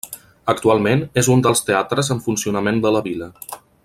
Actualment és un dels teatres en funcionament de la vila.